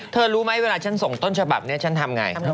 รู้ไหมเวลาฉันส่งต้นฉบับนี้ฉันทำไง